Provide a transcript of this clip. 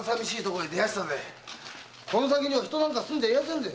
この先には人なんか住んじゃいませんぜ。